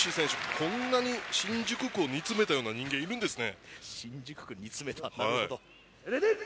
こんなに新宿区を煮詰めたような人間がいるんですね。